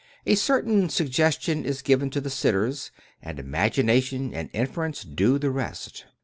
A certain sug gestion is given to the sitters, and imagination and infer ence do the rest.